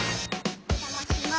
お邪魔します。